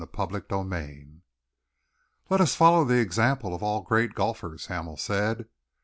CHAPTER XVI "Let us follow the example of all great golfers," Hamel said.